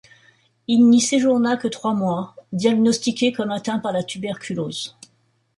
Il n'y séjourna que trois mois, diagnostiqué comme atteint par la tuberculose.